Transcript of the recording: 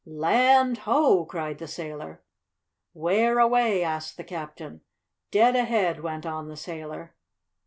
"Land ho!" cried the sailor. "Where away?" asked the captain. "Dead ahead!" went on the sailor.